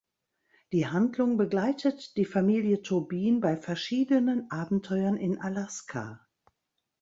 Die Handlung begleitet die Familie Tobin bei verschiedenen Abenteuern in Alaska.